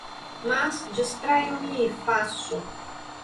Mas distraio-me e faço.